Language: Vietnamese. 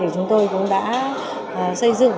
chúng tôi cũng đã xây dựng